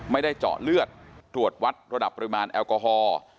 ไม่ได้เจาะเลือดตรวจวัดระดับปริมาณแอลกอฮอล์